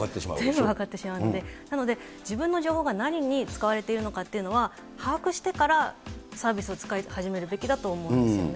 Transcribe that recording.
全部分かってしまうので、自分の情報が何に使われているのかっていうのは、把握してからサービスを使い始めるべきだと思いますよね。